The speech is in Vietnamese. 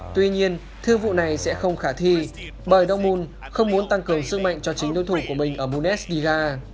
tuy nhiên thương vụ này sẽ không khả thi bởi dortmund không muốn tăng cường sức mạnh cho chính đối thủ của mình ở bundesliga